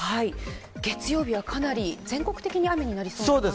月曜日はかなり全国的に雨になりそうですね